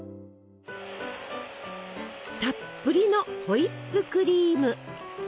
たっぷりのホイップクリーム！